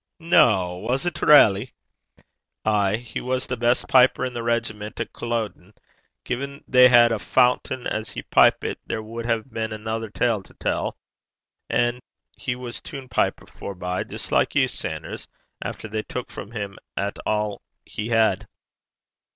'No! Was't railly?' 'Ay. He was the best piper in 's regiment at Culloden. Gin they had a' fouchten as he pipit, there wad hae been anither tale to tell. And he was toon piper forby, jist like you, Sanders, efter they took frae him a' 'at he had.'